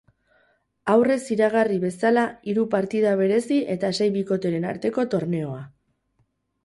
Aurrez iragarri bezala hiru partida berezi eta sei bikoteren arteko torneoa.